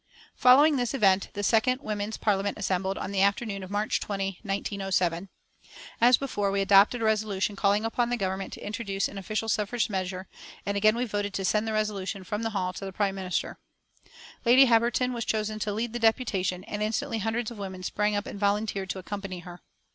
Following this event, the second Women's Parliament assembled, on the afternoon of March 20, 1907. As before, we adopted a resolution calling upon the Government to introduce an official suffrage measure, and again we voted to send the resolution from the hall to the Prime Minister. Lady Harberton was chosen to lead the deputation, and instantly hundreds of women sprang up and volunteered to accompany her.